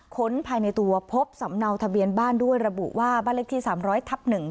ค้นภายในตัวพบสำเนาทะเบียนบ้านด้วยระบุว่าบ้านเล็กที่สามร้อยทับหนึ่ง